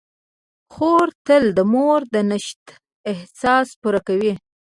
خور تل د مور د نشت احساس پوره کوي.